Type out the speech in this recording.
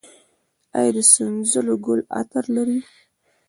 آیا د سنځلو ګل عطر لري؟